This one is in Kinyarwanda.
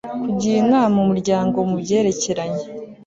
kugira inama umuryango mu byerekeranye